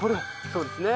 そうですね。